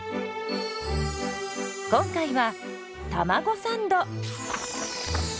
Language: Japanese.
今回はたまごサンド。